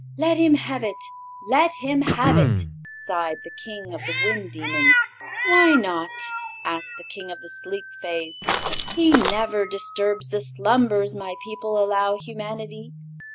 "Let him have it let him have it!" sighed the King of the Wind Demons. "Why not?" asked the King of the Sleep Fays. "He never disturbs the slumbers my people allow humanity.